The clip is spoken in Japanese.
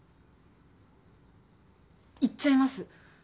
言っちゃいます。